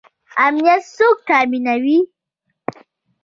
امنیت څوک تامینوي؟